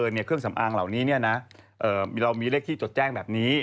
เครื่องสำอางเหล่านี้เรามีเลขที่จดแจ้งแบบนี้